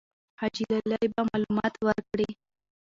حاجي لالی به معلومات ورکړي.